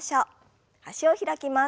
脚を開きます。